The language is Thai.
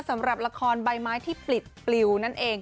สำหรับละครใบไม้ที่ปลิดปลิวนั่นเอง